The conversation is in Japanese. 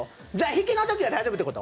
引きのときは大丈夫ってこと？